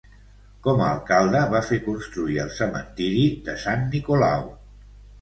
Com a alcalde, va fer construir el cementiri de Sant Nicolau.